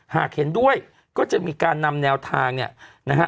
หากเห็นด้วยก็จะมีการนำแนวทางเนี่ยนะฮะ